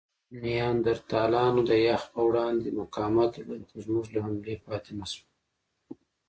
نیاندرتالانو د یخ پر وړاندې مقاومت درلود؛ خو زموږ له حملې پاتې نهشول.